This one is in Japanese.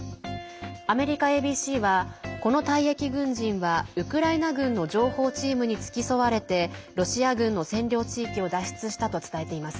アメリカＡＢＣはこの退役軍人はウクライナ軍の情報チームに付き添われてロシア軍の占領地域を脱出したと伝えています。